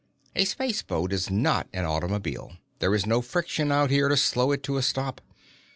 A space boat is not an automobile. There is no friction out here to slow it to a stop.